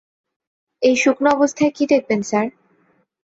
এই শুকনো অবস্থায় কি দেখবেন স্যার?